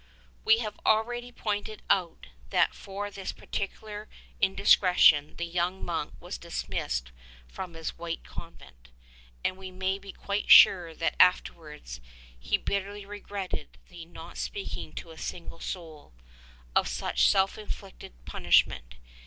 We have already pointed out that for this particular in discretion the young monk was dismissed from his ''white convent,'' and we may be quite sure that afterwards he bit terly regretted the "not speaking to a single soul" of such self inflicted punishment.